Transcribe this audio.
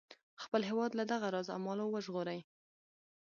خپل هیواد له دغه راز اعمالو وژغوري.